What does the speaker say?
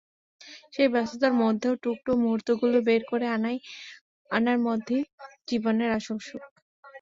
সেই ব্যস্ততার মধ্যেও টুকরা মুহূর্তগুলো বের করে আনার মধ্যেই জীবনের আসল সুখ।